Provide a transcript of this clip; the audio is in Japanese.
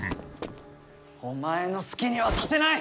「お前のすきにはさせない！